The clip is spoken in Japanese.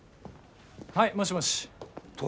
はいもしもし。